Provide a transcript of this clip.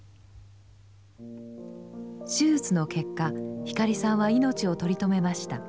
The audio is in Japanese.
手術の結果光さんは命を取り留めました。